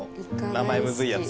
名前むずいやつ。